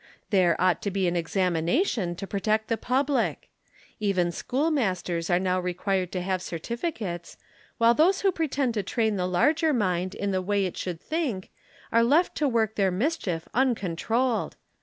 There ought to be an examination to protect the public. Even schoolmasters are now required to have certificates; while those who pretend to train the larger mind in the way it should think are left to work their mischief uncontrolled.